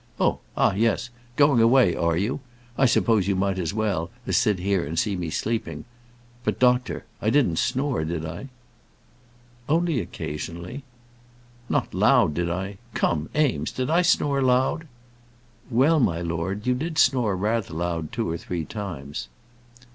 "Oh, ah, yes; going away, are you? I suppose you might as well, as sit here and see me sleeping. But, doctor I didn't snore, did I?" "Only occasionally." "Not loud, did I? Come, Eames, did I snore loud?" "Well, my lord, you did snore rather loud two or three times."